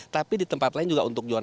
tapi di tempat lain juga untuk jualan